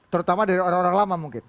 terutama dari orang orang lama mungkin